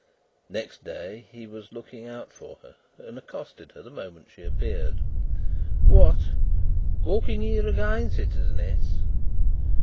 Next day he was looking out for her, and accosted her the moment she appeared. "What? Walking here again, citizeness?"